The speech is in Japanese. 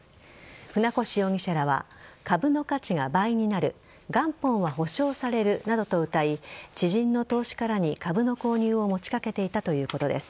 船越容疑者らは株の価値が倍になる元本は保証されるなどとうたい知人の投資家らに株の購入を持ちかけていたということです。